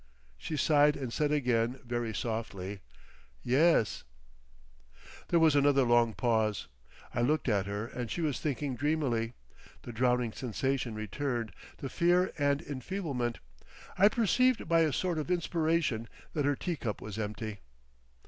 She sighed and said again very softly, "Yes."... There was another long pause. I looked at her and she was thinking dreamily. The drowning sensation returned, the fear and enfeeblement. I perceived by a sort of inspiration that her tea cup was empty.